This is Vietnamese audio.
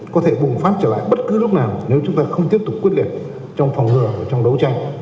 có thể bùng phát trở lại bất cứ lúc nào nếu chúng ta không tiếp tục quyết liệt trong phòng ngừa trong đấu tranh